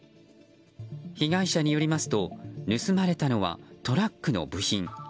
被害者によりますと盗まれたのはトラックの部品。